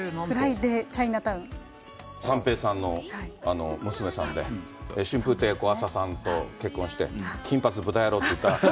三平さんの娘さんで、春風亭小朝さんと結婚して、金髪豚野郎って言った。